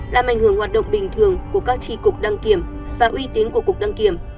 làm ảnh hưởng hoạt động bình thường của các tri cục đăng kiểm và uy tín của cục đăng kiểm